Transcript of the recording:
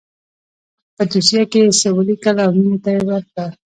په دوسيه کښې يې څه وليکل او مينې ته يې ورکړه.